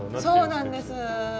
そうなんです。